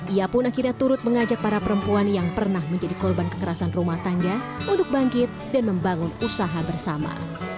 ia pun akhirnya turut mengajak para perempuan yang pernah menjadi korban kekerasan rumah tangga untuk bangkit dan membangun usaha bersama